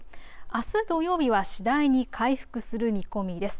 あす土曜日は次第に回復する見込みです。